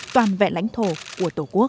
toàn vẹn lãnh thổ của tổ quốc